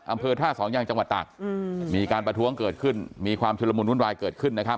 อำเภอท่าสองยังจังหวัดตากมีการประท้วงเกิดขึ้นมีความชุดละมุนวุ่นวายเกิดขึ้นนะครับ